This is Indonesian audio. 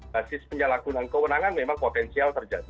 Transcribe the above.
basis penyalahgunaan kewenangan memang potensial terjadi